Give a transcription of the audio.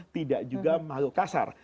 tidak juga mahluk kasar